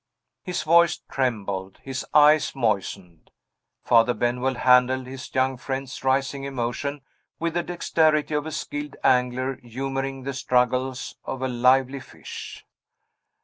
His voice trembled; his eyes moistened. Father Benwell handled his young friend's rising emotion with the dexterity of a skilled angler humoring the struggles of a lively fish.